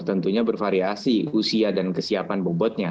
tentunya bervariasi usia dan kesiapan bobotnya